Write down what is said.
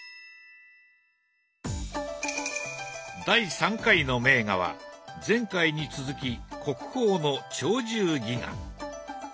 第３回の名画は前回に続き国宝の「鳥獣戯画」。